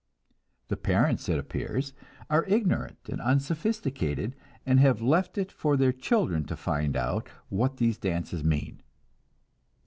The parents, it appears, are ignorant and unsophisticated, and have left it for the children to find out what these dances mean.